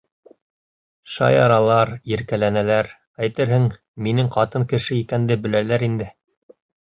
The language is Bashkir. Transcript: Шаяралар, иркәләнәләр, әйтерһең, минең ҡатын кеше икәнде беләләр инде.